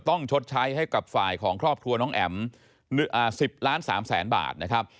ต้องชดใช้ให้กับฝ่ายของครอบครัวน้องแอ๋ม๑๐๓๐๐๐๐๐บาทนะครับ